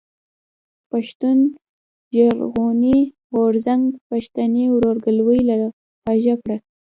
پښتون ژغورني غورځنګ پښتني ورورګلوي لا خوږه کړه.